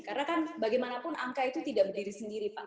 karena kan bagaimanapun angka itu tidak berdiri sendiri pak